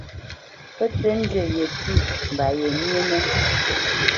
Pə́ tə́ njə yepʉ̂ mba yenyénə́.